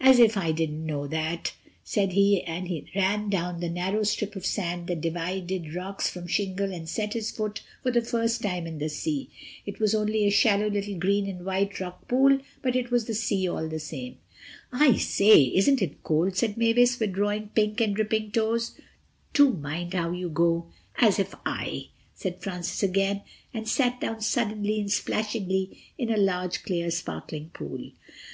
"As if I didn't know that," said he, and ran across the narrow strip of sand that divided rocks from shingle and set his foot for the first time in The Sea. It was only a shallow little green and white rock pool, but it was the sea all the same. "I say, isn't it cold," said Mavis, withdrawing pink and dripping toes; "do mind how you go—" "As if I—" said Francis, again, and sat down suddenly and splashingly in a large, clear sparkling pool.